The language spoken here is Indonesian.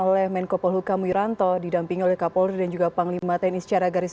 oleh menko polhukam wiranto didampingi oleh kapolri dan juga panglima tni secara garis